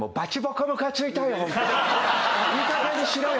いいかげんにしろよ